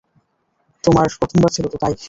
তোমার প্রথমবার ছিলো তো তাই।